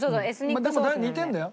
でも似てるんだよ